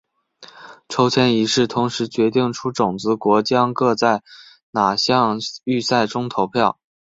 抽签仪式同时决定出种子国将各在哪场预赛中投票。